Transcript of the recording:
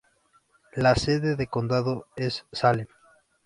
La sede de condado es Salem.